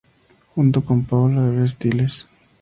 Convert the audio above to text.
Junto con Paula R. Stiles.